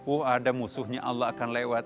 oh ada musuhnya allah akan lewat